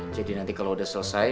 jadi nanti kalau udah selesai